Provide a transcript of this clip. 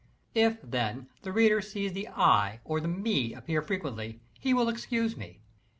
If, then, the reader sees the "I" or the "me" appear frequently, he will excuse me.